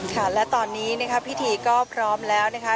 ค่ะและตอนนี้นะคะพิธีก็พร้อมแล้วนะคะ